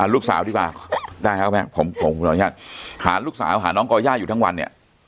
ลูกสาวดีกว่าหาลูกสาวหาน้องก่อยย่าอยู่ทั้งวันเนี่ย